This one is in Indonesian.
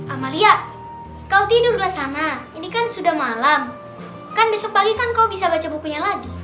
amalia kau tidur ke sana ini kan sudah malam kan besok pagi kan kau bisa baca bukunya lagi